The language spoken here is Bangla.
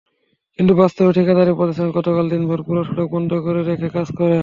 কিন্তু বাস্তবে ঠিকাদারি প্রতিষ্ঠান গতকাল দিনভর পুরো সড়ক বন্ধ রেখে কাজ করে।